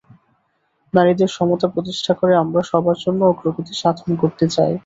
নারীদের সমতা প্রতিষ্ঠা করে আমরা সবার জন্য অগ্রগতি সাধন করতে চাই।